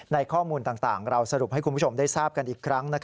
ข้อมูลต่างเราสรุปให้คุณผู้ชมได้ทราบกันอีกครั้ง